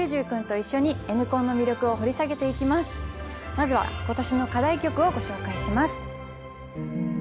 まずはことしの課題曲をご紹介します。